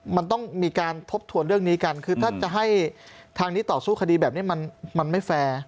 มันต้องมีการทบทวนเรื่องนี้กันคือถ้าจะให้ทางนี้ต่อสู้คดีแบบนี้มันไม่แฟร์